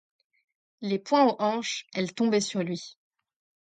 Les poings aux hanches, elle tombait sur lui.